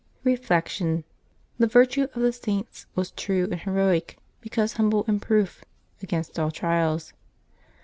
Reflection. — The virtue of the Saints was true and he roic, because humble and proof against all trials.